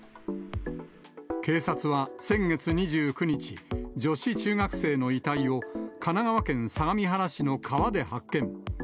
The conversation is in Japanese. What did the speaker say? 警察は先月２９日、女子中学生の遺体を神奈川県相模原市の川で発見。